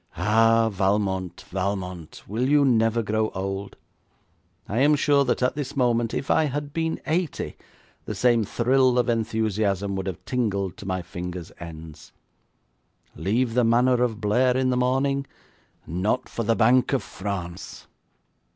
Ah, Valmont, Valmont, will you never grow old! I am sure that at this moment, if I had been eighty, the same thrill of enthusiasm would have tingled to my fingers' ends. Leave the Manor of Blair in the morning? Not for the Bank of France!